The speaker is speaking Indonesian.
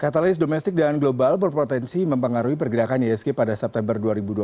katalis domestik dan global berpotensi mempengaruhi pergerakan isg pada september dua ribu dua puluh